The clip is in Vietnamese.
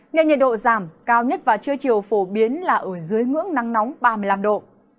nhiệt độ giảm cao nhất và chưa chiều phổ biến là ở dưới ngưỡng nắng nóng ba mươi năm độ